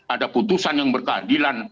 ada putusan yang berkeadilan